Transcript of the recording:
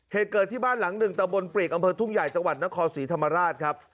เหตุเกิดที่บ้านหลังหนึ่งตะบนปลีกอำเภอทุ่งใหญ่จังหวัดนครศรีธรรมราชครับ